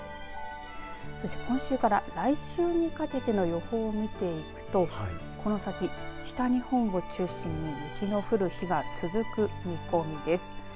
そして今週から来週にかけての予報を見ていくとこの先北日本を中心に雪の降る日が続く見込みです。